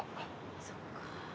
そっか。